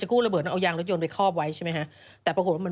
ซึ่งตอน๕โมง๔๕นะฮะทางหน่วยซิวได้มีการยุติการค้นหาที่